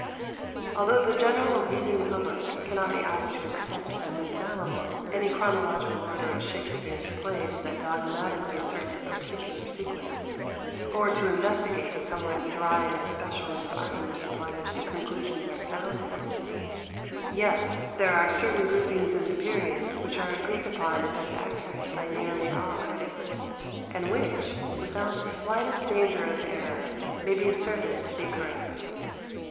Although the general reading public cannot be asked to accept as infallible any chronological order of Shakspere's plays that dogmatically asserts a particular sequence, or to investigate the somewhat dry and specialist arguments upon which the conclusions are founded, yet there are certain groupings into periods which are agreed upon as accurate by nearly all critics, and which, without the slightest danger of error, may be asserted to be correct.